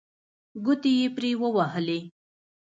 ګوتې یې پرې ووهلې.